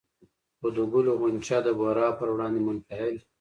خو د ګلو غونچه د بورا پر وړاندې منفعل